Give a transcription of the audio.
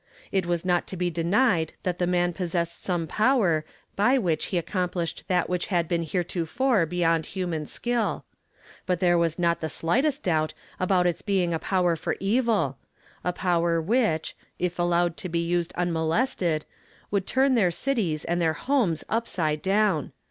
It was not to be denied that the man possessed some power by which he accomplished that which had been here tofore beyond human skill ; but there was not tlie slightest doubt about its being a power for evil ~ a power which, if allowed to be used unmolested, would turn their cities and their homes upside down.